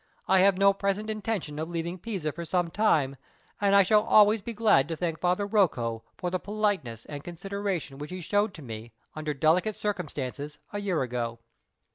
I have no present intention of leaving Pisa for some time, and I shall always be glad to thank Father Rocco for the politeness and consideration which he showed to me, under delicate circumstances, a year ago."